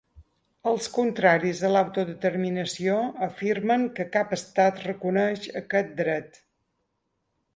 Els contraris a l’autodeterminació afirmen que cap estat reconeix aquest dret.